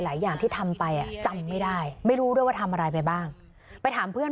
ไม่อยากให้แม่เป็นอะไรไปแล้วนอนร้องไห้แท่ทุกคืน